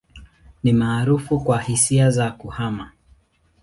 Ni maarufu kwa hisia za kuhama.